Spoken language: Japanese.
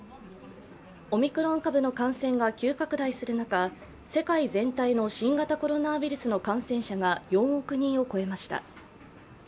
オミクロン株の感染が急拡大する中、世界全体の新型コロナウイルスの感染者が４億人を超えました。